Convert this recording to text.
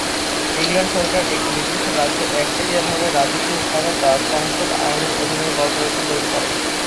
England সরকার, একটি নির্দিষ্ট রাজ্য একচেটিয়া ভাবে রাজকীয় সনদ বা সংসদ আইনের অধীনে কর্পোরেশন তৈরি করে।